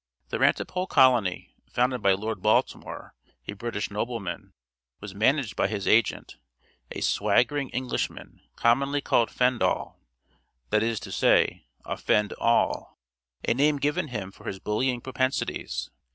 This rantipole colony, founded by Lord Baltimore, a British nobleman, was managed by his agent, a swaggering Englishman, commonly called Fendall, that is to say, "offend all," a name given him for his bullying propensities.